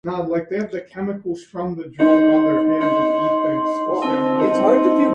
He taught Geognosy at the University of Coimbra in Portugal.